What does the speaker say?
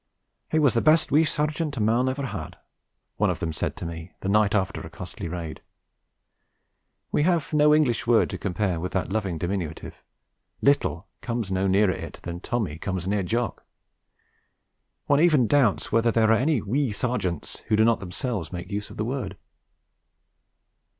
'He was the best wee Sergeant ever a mon had,' one of them said to me, the night after a costly raid. We have no English word to compare with that loving diminutive; 'little' comes no nearer it than 'Tommy' comes near 'Jock.' One even doubts whether there are any 'wee' Sergeants who do not themselves make use of the word.